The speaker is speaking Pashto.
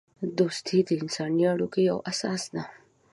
دوستی د انسانی اړیکو یوه اساس ده.